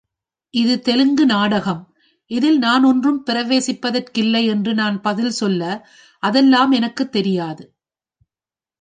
இது தெலுங்கு நாடகம், இதில் நான் ஒன்றும் பிரவேசிப்பதற்கில்லை என்று நான் பதில் சொல்ல, அதெல்லாம் எனக்குத் தெரியாது.